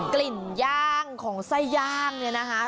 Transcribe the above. กลิ่นย่างของไส้ย่างเนี่ยนะคะ